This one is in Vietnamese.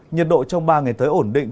nhiệt độ trong ba ngày tới ổn định